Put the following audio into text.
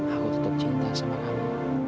aku tetap cinta sama kamu